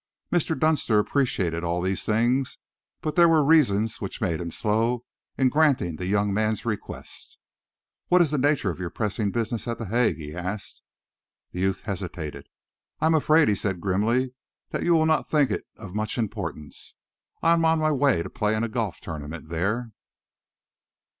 Mr. Dunster appreciated all these things, but there were reasons which made him slow in granting the young man's request. "What is the nature of your pressing business at The Hague?" he asked. The youth hesitated. "I am afraid," he said grimly, "that you will not think it of much importance. I am on my way to play in a golf tournament there."